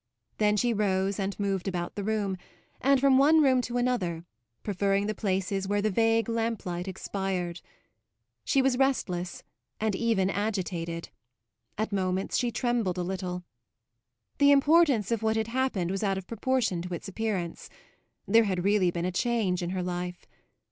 Then she rose and moved about the room, and from one room to another, preferring the places where the vague lamplight expired. She was restless and even agitated; at moments she trembled a little. The importance of what had happened was out of proportion to its appearance; there had really been a change in her life.